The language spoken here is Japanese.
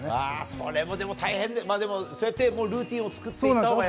それもでも大変、でも、そうやってルーティンを作っていったほうが。